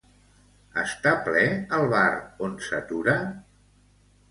Està ple el bar on s'atura?